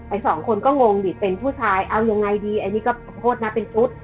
สองคนก็งงดิเป็นผู้ชายเอายังไงดีอันนี้ก็โทษนะเป็นชุด